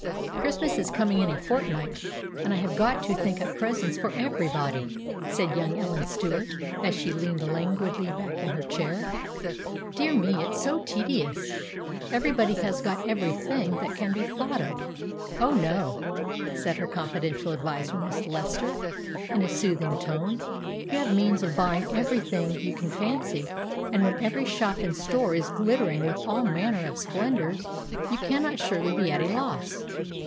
Christmas is coming in a fortnight, and I have got to think up presents for every body!" said young Ellen Stuart, as she leaned languidly back in her chair. "Dear me, it's so tedious! Every body has got every thing that can be thought of." "O, no," said her confidential adviser, Miss Lester, in a soothing tone. "You have means of buying every thing you can fancy; and when every shop and store is glittering with all manner of splendors, you cannot surely be at a loss."